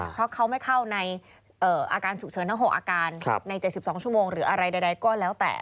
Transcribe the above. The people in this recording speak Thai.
เพราะเขาไม่เข้าในอาการฉุกเฉินทั้ง๖อาการใน๗๒ชั่วโมงหรืออะไรใดก็แล้วแต่